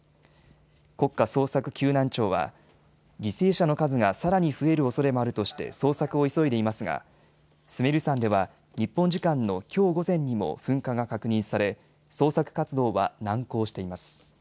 国家捜索救難庁は犠牲者の数がさらに増えるおそれもあるとして捜索を急いでいますが、スメル山では日本時間のきょう午前にも噴火が確認され捜索活動は難航しています。